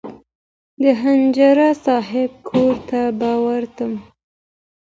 د خنجر صاحب کور ته به ورتلم.